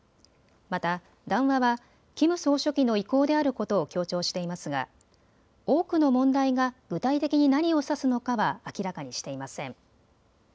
また談話はキム総書記の意向であることを強調していますが多くの問題が具体的に何を指すのかは明らかにしていません。